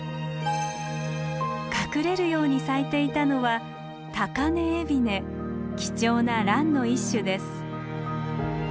隠れるように咲いていたのは貴重なランの一種です。